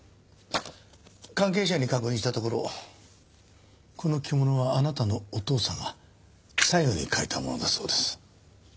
関係者に確認したところこの着物はあなたのお父さんが最後に描いたものだそうです。